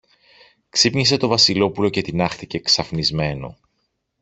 Ξύπνησε το Βασιλόπουλο και τινάχτηκε ξαφνισμένο.